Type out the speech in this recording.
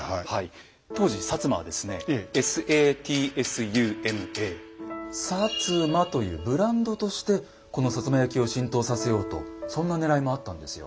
当時摩はですね「ＳＡＴＳＵＭＡ」というブランドとしてこの摩焼を浸透させようとそんなねらいもあったんですよ。